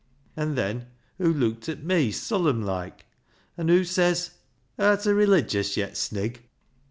"An' then hoo leuked at me, solemn loike, an' hoo says, ' Arta religious yet, Snig?